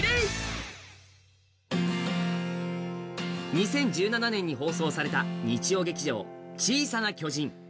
２０１７年に放送された日曜劇場「小さな巨人」。